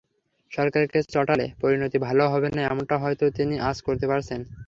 সরকারকে চটালে পরিণতি ভালো হবে না—এমনটা হয়তো তিনি আঁচ করতে পারছেন।